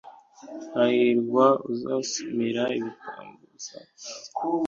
hahirwa uzasumira ibitambambuga byawe